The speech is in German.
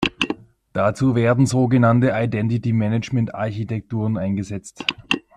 Dazu werden sogenannte Identity-Management-Architekturen eingesetzt.